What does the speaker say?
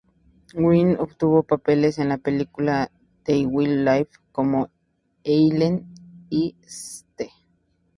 Wright obtuvo papeles en las películas "The Wild Life" como Eileen y "St.